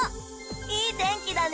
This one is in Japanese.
いい天気だね。